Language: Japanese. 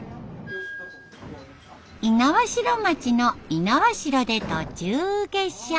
猪苗代町の猪苗代で途中下車。